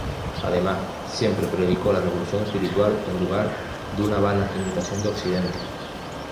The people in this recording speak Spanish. Además, siempre predicó la revolución espiritual en lugar de una vana imitación de Occidente.